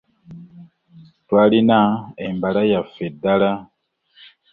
Twalina embala eyaffe ddala.